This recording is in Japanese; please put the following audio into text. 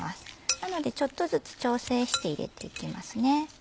なのでちょっとずつ調整して入れていきますね。